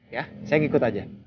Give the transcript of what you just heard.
ya saya yang ikut aja